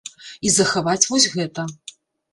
І захаваць вось гэта.